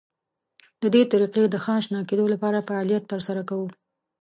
د دې طریقې د ښه اشنا کېدو لپاره فعالیت تر سره کوو.